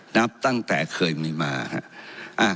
นับตั้งแต่เคยมีมาครับ